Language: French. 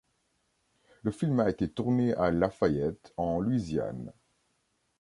Le film a été tourné à Lafayette en Louisiane.